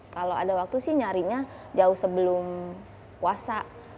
kalau ada waktu sih nyarinya jauh sebelum puasa